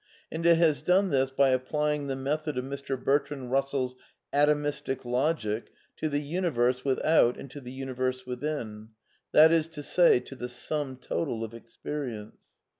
And it ^as done this by applying tlie niefliod of Mr. Bertrand Russell's " atomistic logic " to the universe with out and to the universe within ; that is to say, to the sum total of experience.